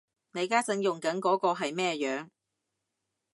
你家陣用緊嗰個係咩樣